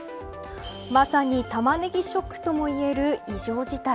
まさに、タマネギショックともいえる非常事態